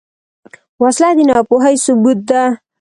وسله د ناپوهۍ ثبوت ده